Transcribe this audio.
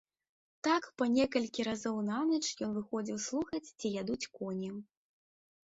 Так па некалькі разоў на ноч ён выходзіў слухаць, ці ядуць коні.